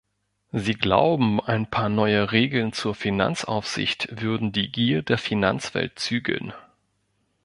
Sie glauben, ein paar neue Regeln zur Finanzaufsicht würden die Gier der Finanzwelt zügeln.